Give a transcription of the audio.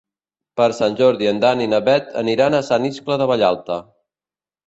Per Sant Jordi en Dan i na Bet aniran a Sant Iscle de Vallalta.